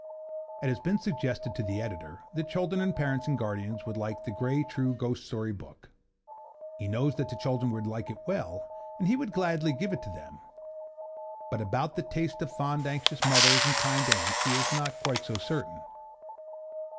It has been suggested to the Editor that children and parents and guardians would like 'The Grey True Ghost Story Book.' He knows that the children would like it well, and he would gladly give it to them; but about the taste of fond anxious mothers and kind aunts he is not quite so certain.